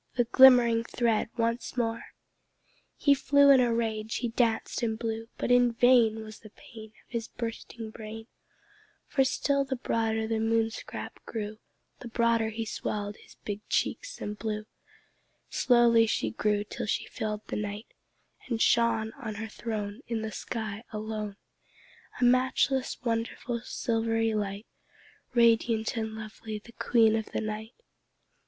The glimmering thread once more! He flew in a rage he danced and blew; But in vain Was the pain Of his bursting brain; For still the broader the Moon scrap grew, The broader he swelled his big cheeks and blew. Slowly she grew till she filled the night, And shone On her throne In the sky alone, A matchless, wonderful, silvery light, Radiant and lovely, the Queen of the Night.